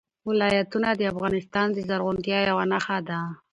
ولایتونه د افغانستان د زرغونتیا یوه نښه ده.